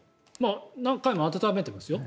何回も温めてますよ